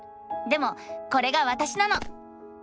でもこれがわたしなの！